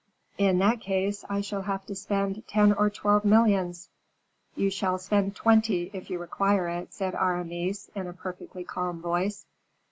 "In that case, I shall have to spend ten or twelve millions." "You shall spend twenty, if you require it," said Aramis, in a perfectly calm voice.